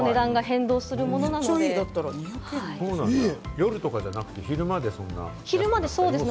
夜とかじゃなくて昼間ですよね？